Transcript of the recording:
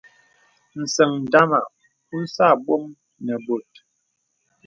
Səŋ ndàma ósə ābōm nə bòt.